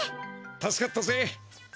助かったぜ。